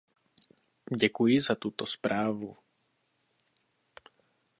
Děkuji za tuto zprávu.